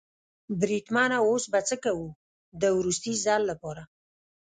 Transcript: بریدمنه اوس به څه کوو؟ د وروستي ځل لپاره.